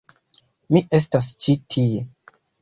Mi estas ĉi tie.